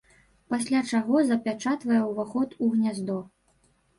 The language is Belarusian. Пасля чаго запячатвае уваход у гняздо.